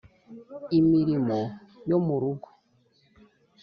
imirimo yo mu rugo,